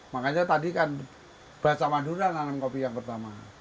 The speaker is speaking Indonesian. makanya tadi kan baca madura tanam kopi yang pertama